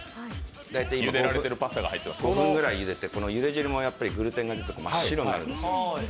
大体５分ぐらいゆでて、ゆで汁もグルテンが出て真っ白になるんですよ。